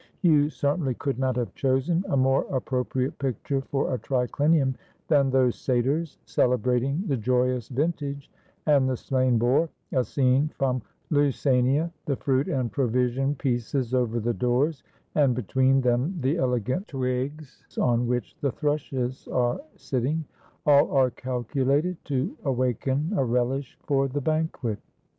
You certainly could not have chosen a more appropriate picture for a triclinium than those satyrs, celebrating the joyous vintage: and the slain boar, a scene from Lucania, the fruit and provision pieces over the doors, and between them the elegant twigs on which the thrushes are sitting, — all are calculated to awaken a relish for the banquet."